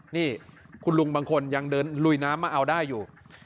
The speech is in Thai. นี่คุณลุงบางคนยังเดินลุยน้ำมาเอาได้อยู่